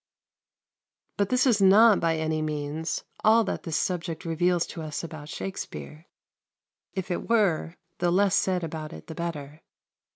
But this is not by any means all that this subject reveals to us about Shakspere; if it were, the less said about it the better.